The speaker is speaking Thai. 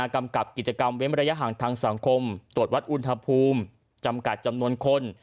กำกับกิจกรรมเว้นระยะห่างทางสังคมตรวจวัดอุณหภูมิจำกัดจำนวนคน